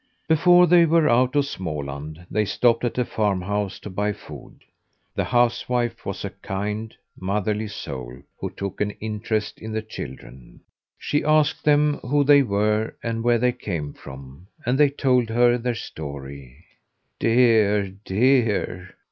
Before they were out of Småland, they stopped at a farm house to buy food. The housewife was a kind, motherly soul who took an interest in the children. She asked them who they were and where they came from, and they told her their story. "Dear, dear!